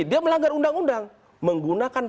dia melanggar undang undang menggunakan